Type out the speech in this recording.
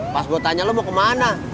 pas gue tanya lo mau kemana